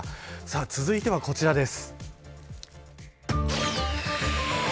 続いては、こちらです。